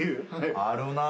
あるなぁ。